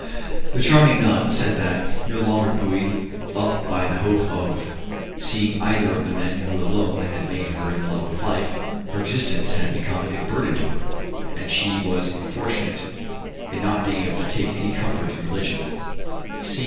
The charming nun said that, no longer buoyed up by the hope of seeing either of the men who alone had made her in love with life, her existence had become a burden to her, and she was unfortunate in not being able to take any comfort in religion.